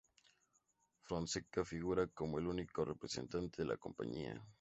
Fonseca figura como el único representante de la compañía.